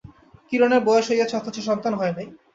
কিরণের বয়স হইয়াছে অথচ সন্তান হয় নাই।